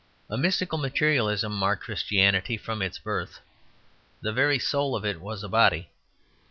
A mystical materialism marked Christianity from its birth; the very soul of it was a body.